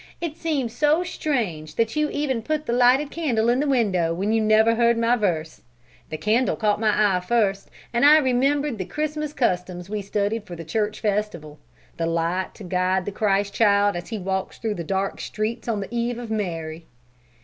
It seems so strange that you even put the lighted candle in the window when you never heard my verse. The candle caught my eye first, and I remembered the Christmas customs we studied for the church festival, the light to guide the Christ Child as he walks through the dark streets on the Eve of Mary."